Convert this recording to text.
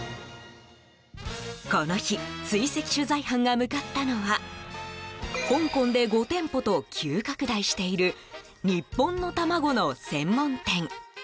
この日追跡取材班が向かったのは香港で５店舗と急拡大している日本の卵の専門店。